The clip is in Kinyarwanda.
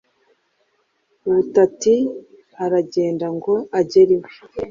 butati aragenda ngo agere iwe,